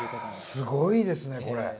すごいですねこれ。